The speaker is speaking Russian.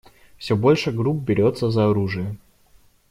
Все больше групп берется за оружие.